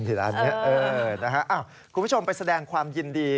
คุณผู้ชมไปแสดงความยินดี